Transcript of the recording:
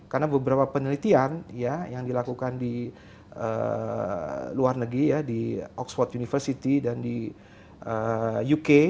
karena beberapa penelitian yang dilakukan di luar negeri di oxford university dan di uk